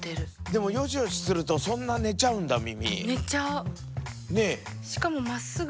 でもよしよしするとそんな寝ちゃうんだ耳。